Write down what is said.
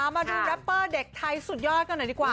มาดูแรปเปอร์เด็กไทยสุดยอดกันหน่อยดีกว่า